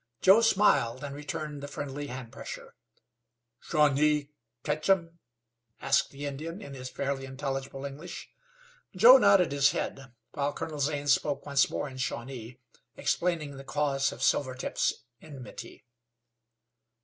Joe smiled, and returned the friendly hand pressure. "Shawnee ketch'um?" asked the Indian, in his fairly intelligible English. Joe nodded his head, while Colonel Zane spoke once more in Shawnee, explaining the cause of Silvertip's emnity.